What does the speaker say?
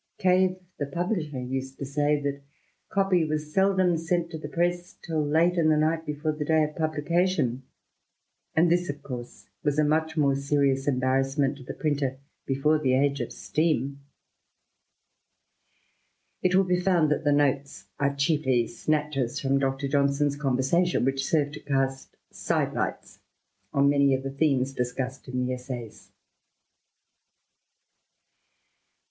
Cave, the publisher, used to say that copy was seldom sent to the press till late in the night before the day of publication, and this, of course, was a much more serious embarrassment to the printer before the age of steam t It will be found that the notes are chiefly snatches from Dr. Johnson's conversatioii, which serve to cast side lights on many of the themes discussed in the essays.